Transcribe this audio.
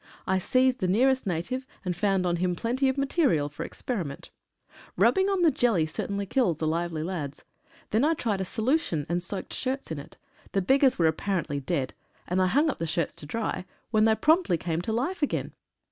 I seized the nearest na tive, and found on him plenty of material for experiment. 44 FIRST BREATH OF SPRING. Rubbing on the jelly certainly kills the lively lads. Then I tried a solution, and soaked shirts in it. The beggars were apparently dead, and I hung the shirts up to dry, when they promptly came to life again.